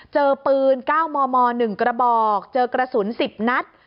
เจอปืน๙มม๑กระบอกเจอกระสุน๑๐นัด